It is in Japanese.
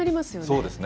そうですね。